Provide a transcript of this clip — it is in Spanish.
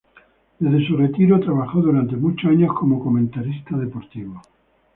Desde su retiro trabajó durante muchos años como comentarista deportivo.